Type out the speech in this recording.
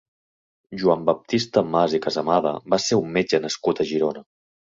Joan Baptista Mas i Casamada va ser un metge nascut a Girona.